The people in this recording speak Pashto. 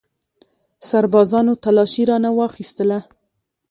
سربازانو تلاشي رانه واخیستله.